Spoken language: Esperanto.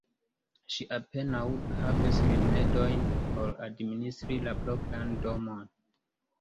Ŝi apenaŭ havis rimedojn por administri la propran domon.